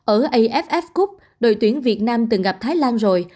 ở aff cup đội tuyển việt nam từng gặp thái lan rồi